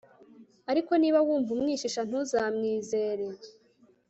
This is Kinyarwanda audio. ariko niba wumva umwishisha, ntuzamwizere